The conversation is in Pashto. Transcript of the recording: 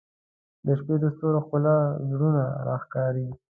• د شپې د ستورو ښکلا زړونه راښکاري.